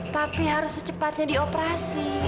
papi harus secepatnya dioperasi